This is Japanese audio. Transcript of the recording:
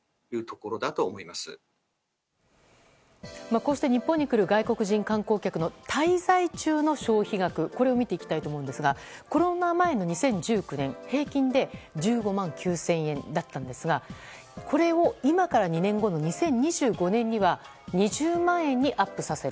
こうした日本に来る外国人観光客の滞在中の消費額を見ていきたいと思うんですがコロナ前の２０１９年は平均で１５万９０００円だったんですがこれを今から２年後の２０２５年には２０万円にアップさせる。